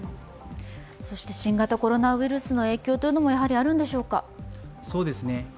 そして新型コロナウイルスの影響というのもあるんでしょうか？